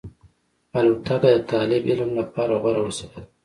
الوتکه د طالب علم لپاره غوره وسیله ده.